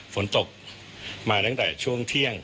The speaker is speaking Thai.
ฝนตกมาตั้งแต่ช่วงเที่ยง